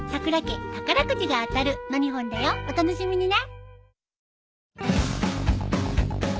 お楽しみにね。